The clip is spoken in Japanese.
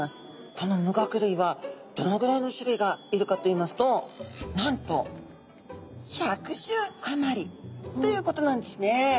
この無顎類はどのぐらいの種類がいるかといいますとなんと１００種あまりということなんですね。